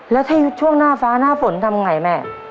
แล้วถ้าช่วงหน้าฟ้าหน้าฝนทำไงแม่